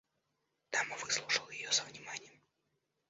Дама выслушала ее со вниманием.